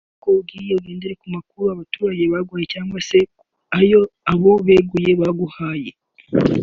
Kuko ugiye ugendera ku makuru abaturage baguhaye cyangwa se ayo abo beguye baguhaye